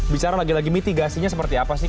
bicara lagi lagi mitigasinya seperti apa sih